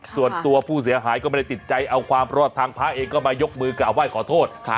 ส่วนตัวผู้เสียหายก็ไม่ได้ติดใจเอาความเพราะว่าทางพระเองก็มายกมือกลับไหว้ขอโทษ